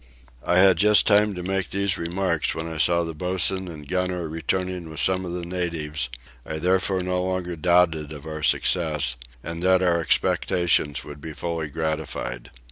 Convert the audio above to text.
I had just time to make these remarks when I saw the boatswain and gunner returning with some of the natives: I therefore no longer doubted of our success and that our expectations would be fully gratified.